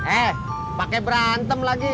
eh pake berantem lagi